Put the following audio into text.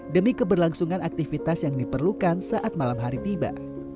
demi keberlangsungan aktivitas yang diperlukan saat malam hari tiba